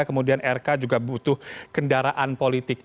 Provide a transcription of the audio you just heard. kemudian rk juga butuh kendaraan politik